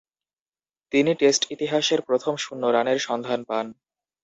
তিনি টেস্ট ইতিহাসের প্রথম শূন্য রানের সন্ধান পান।